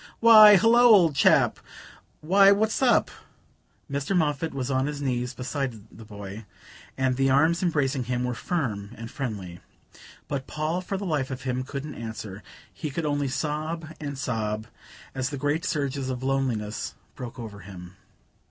"Why, hullo, old chap why, what's up?" Mr. Moffatt was on his knees beside the boy, and the arms embracing him were firm and friendly. But Paul, for the life of him, couldn't answer: he could only sob and sob as the great surges of loneliness broke over him.